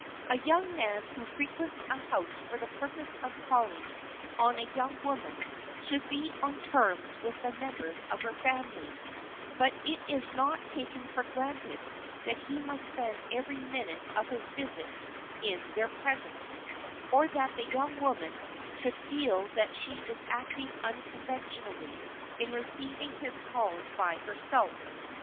A young man who frequents a house for the purpose of calling on a young woman should be on terms with the members of her family, but it is not taken for granted that he must spend every minute of his visits in their presence, or that the young woman should feel that she is acting unconventionally in receiving his calls by herself.